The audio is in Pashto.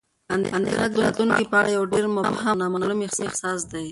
اندېښنه د راتلونکي په اړه یو ډېر مبهم او نامعلوم احساس دی.